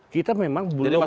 kita memang belum ada